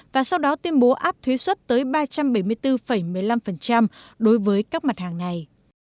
và sau đó tuyên bố áp thuế xuất tới ba trăm bảy mươi bốn một mươi năm đối với các mặt hàng này